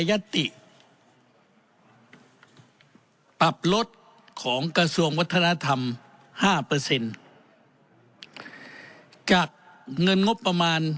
ยัตติปรับลดของกระทรวงวัฒนธรรมห้าเปอร์เซ็นต์จากเงินงบประมาณ